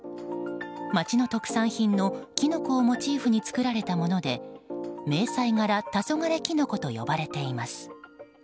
町の特産品のキノコをモチーフに作られたもので迷彩柄黄昏きの子と呼ばれています。